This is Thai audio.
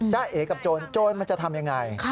จะเอกับโจรโจรมันจะทำอย่างไร